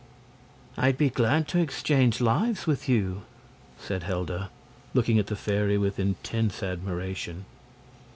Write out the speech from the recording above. "I'd be glad to exchange lives with you," said Helda, looking at the fairy with intense admiration.